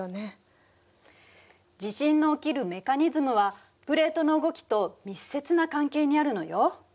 地震の起きるメカニズムはプレートの動きと密接な関係にあるのよ。